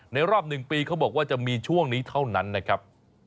รอบ๑ปีเขาบอกว่าจะมีช่วงนี้เท่านั้นนะครับ